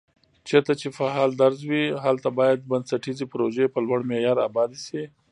چېرته چې فعال درز وي، هلته باید بنسټيزې پروژي په لوړ معیار آبادې شي